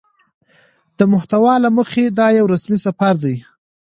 د محتوا له مخې دا يو رسمي سفر دى